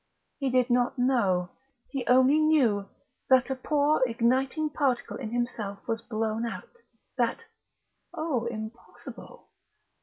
He did not know. He only knew that that poor igniting particle in himself was blown out, that Oh, impossible!